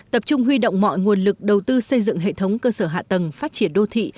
tập trung huy động mọi nguồn lực đầu tư xây dựng hệ thống cơ sở hạ tầng phát triển đô thị